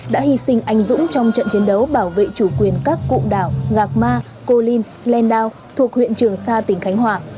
đã hy sinh anh dũng trong trận chiến đấu bảo vệ chủ quyền các cụ đảo gạc ma cô linh lên đao thuộc huyện trường xa tỉnh khánh hòa